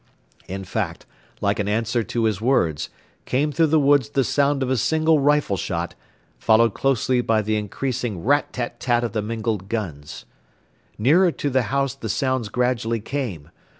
In fact, like an answer to his words, came through the woods the sound of a single rifle shot, followed closely by the increasing rat tat tat of the mingled guns. Nearer to the house the sounds gradually came.